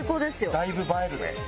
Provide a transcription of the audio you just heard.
だいぶ映えるね。